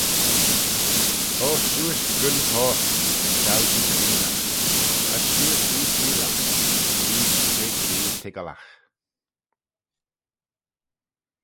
"O shiuish gyn-toyrt, gow-jee creenaght; as shiuish vee-cheeayllagh bee-jee jeh cree toiggalagh."